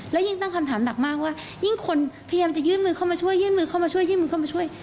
และยิ่งตั้งคำถามหนักมากว่ายิ่งคนพยายามจะยื่นมือเข้ามาช่วย